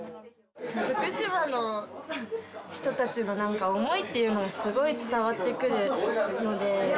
福島の人たちの、なんか思いっていうのがすごい伝わってくるので。